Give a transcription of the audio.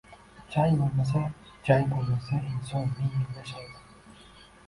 Chang boʻlmasa, jang boʻlmasa, inson ming yil yashaydi